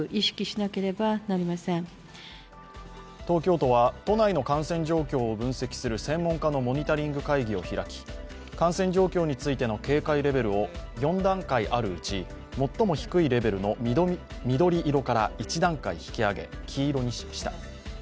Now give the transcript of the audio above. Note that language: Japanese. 東京都は都内の感染状況を分析する専門家のモニタリング会議を開き感染状況についての警戒レベルを４段階あるうち、最も低いレベルの緑色から１段階引き上げ、黄色にしました。